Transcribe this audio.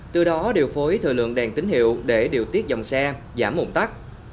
từ đó điều phối thời lượng đèn tín hiệu để điều tiết dòng xe giảm mụn tắt